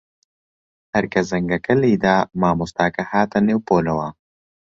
هەر کە زەنگەکە لێی دا، مامۆستاکە هاتە نێو پۆلەوە.